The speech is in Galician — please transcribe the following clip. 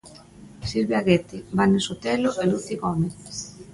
Silvia Aguete, Vane Sotelo e Luci Gómez.